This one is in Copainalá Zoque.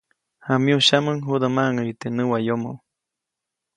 Jamyusyaʼmuŋ judä maʼŋäyu teʼ näwayomo.